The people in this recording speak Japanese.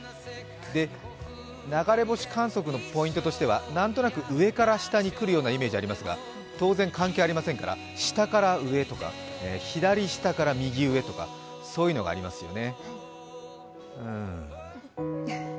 で、流れ星観測のポイントとしてはなんとなく上から下にくるイメージがありますが当然、関係ありませんから、下から上とか、左下から右上とかそういうのがありますよね。